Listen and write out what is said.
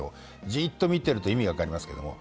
じっと見ていると意味が分かりますけれども。